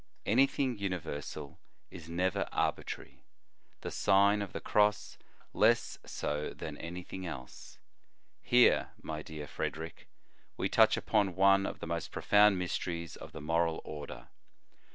Anything universal is never arbitrary ; the Sign of the Cross less so than anything else. Here, my dear Frederic, we touch upon one of the most profound mys teries of the moral order.